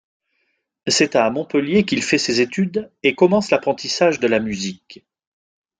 C’est à Montpellier qu'il fait ses études et commence l'apprentissage de la musique.